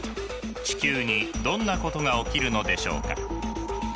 地球にどんなことが起きるのでしょうか？